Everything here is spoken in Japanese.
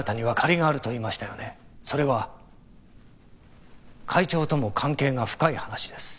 それは会長とも関係が深い話です。